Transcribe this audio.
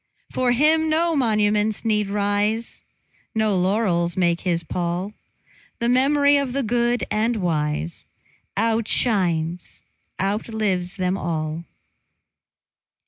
For him no monuments need rise, No laurels make his pall; The mem'ry of the good and wise Outshines, outlives them all.